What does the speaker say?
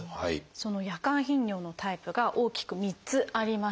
その夜間頻尿のタイプが大きく３つありまして